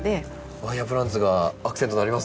ワイヤープランツがアクセントになりますね。